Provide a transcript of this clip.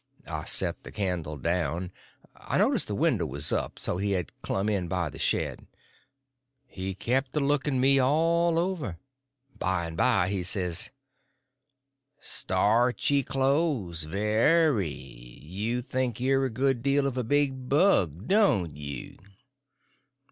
I set the candle down. I noticed the window was up; so he had clumb in by the shed. He kept a looking me all over. By and by he says: "Starchy clothes—very. You think you're a good deal of a big bug, don't you?"